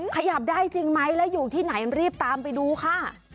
ขยับได้จริงไหมแล้วอยู่ที่ไหนรีบตามไปดูค่ะ